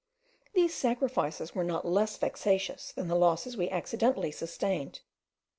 These sacrifices were not less vexatious than the losses we accidentally sustained.